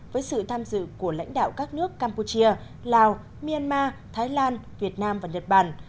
với sự tham dự của lãnh đạo các nước campuchia lào myanmar thái lan việt nam và nhật bản